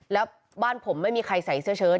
แล้วบ้านผมไม่มีใครใส่เสื้อเชิด